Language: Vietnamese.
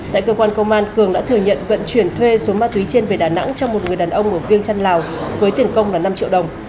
tại cơ quan công an cường đã thừa nhận vận chuyển thuê số ma túy trên về đà nẵng cho một người đàn ông ở viêng trăn lào với tiền công là năm triệu đồng